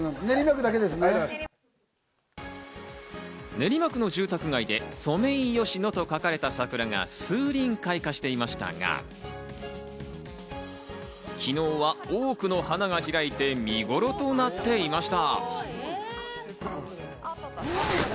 練馬区の住宅街でソメイヨシノと書かれた桜が数輪開花していましたが、昨日は多くの花が開いて、見頃となっていました。